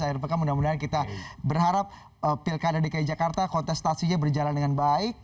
akhir pekan mudah mudahan kita berharap pilkada dki jakarta kontestasinya berjalan dengan baik